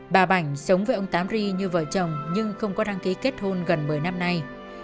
bà bảnh sống với ông tám ri như vợ chồng nhưng không có đăng ký kết hôn gần một mươi năm nay